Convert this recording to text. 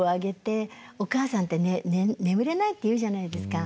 お母さんってね眠れないって言うじゃないですか。